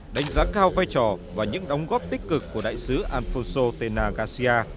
đánh giá cao vai trò và những đóng góp tích cực của đại sứ alfonso tena garcia